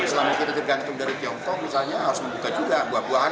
misalnya mungkin tergantung dari tiongkok harus membuka juga buah buahan